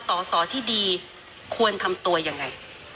สอสอที่ดีควรทำตัวยังไง